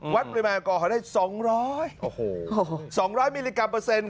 วัดปริมาณกอห่อได้สองร้อยสองร้อยมิลลิกรัมเปอร์เซ็นต์ครับ